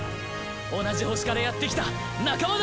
同じ星からやってきた仲間だ！